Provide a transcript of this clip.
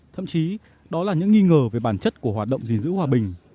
thậm chí đó là những nghi ngờ về bản chất của hoạt động gìn giữ hòa bình